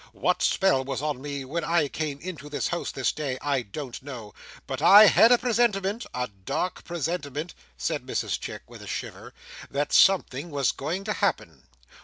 What spell was on me when I came into this house this day, I don't know; but I had a presentiment—a dark presentiment," said Mrs Chick, with a shiver, "that something was going to happen.